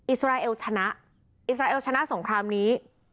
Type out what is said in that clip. อิสราเอลชนะอิสราเอลชนะสงครามนี้